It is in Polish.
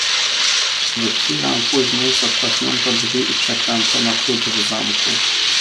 "W chwile później zatrzaśnięto drzwi i przekręcono klucz w zamku."